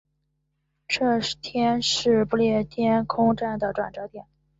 这天是不列颠空战的转折点。